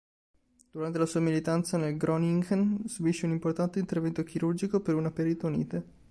Durante la sua militanza nel Groningen subisce un importante intervento chirurgico per una peritonite.